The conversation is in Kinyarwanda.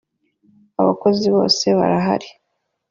abakozi bose barahari.